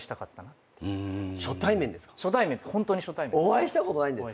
お会いしたことないんですか？